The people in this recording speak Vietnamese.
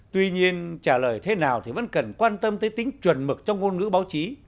tuy nhiên trả lời thế nào thì vẫn cần quan tâm tới tính chuẩn mực trong ngôn ngữ báo chí